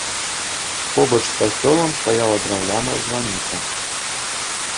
Побач з касцёлам стаяла драўляная званіца.